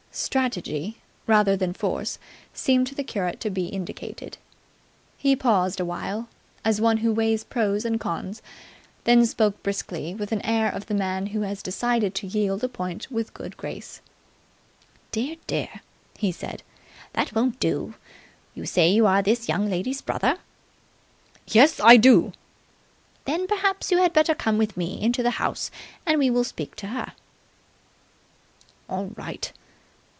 Strategy, rather than force, seemed to the curate to be indicated. He paused a while, as one who weighs pros and cons, then spoke briskly, with the air of the man who has decided to yield a point with a good grace. "Dear, dear!" he said. "That won't do! You say you are this young lady's brother?" "Yes, I do!" "Then perhaps you had better come with me into the house and we will speak to her." "All right."